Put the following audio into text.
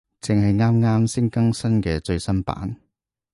正係啱啱先更新嘅最新版